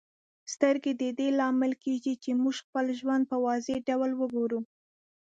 سترګې د دې لامل کیږي چې موږ خپل ژوند په واضح ډول وګورو.